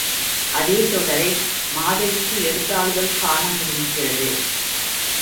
அதே தொடரை மாதவிக்கு எடுத்தாளுதல் காண முடிகிறது.